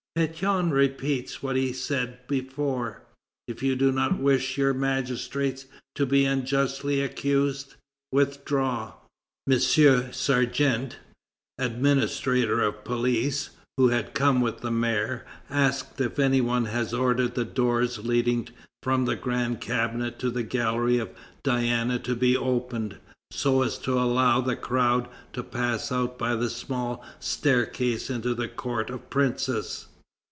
Pétion repeats what he said before: "If you do not wish your magistrates to be unjustly accused, withdraw." M. Sergent, administrator of police, who had come with the mayor, asked if any one has ordered the doors leading from the Grand Cabinet to the Gallery of Diana to be opened, so as to allow the crowd to pass out by the small staircase into the Court of the Princes.